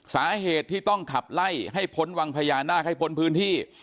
สาเหตุที่ต้องขับไล่ให้พ้นวังพญานาคให้พ้นพื้นที่